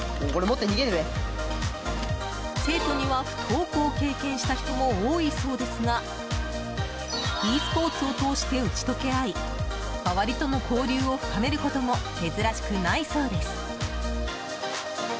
生徒には、不登校を経験した人も多いそうですがｅスポーツを通して打ち解け合い周りとの交流を深めることも珍しくないそうです。